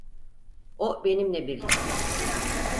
O benimle birlikte.